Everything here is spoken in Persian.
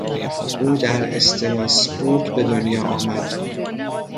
او در استراسبورگ به دنیا آمد.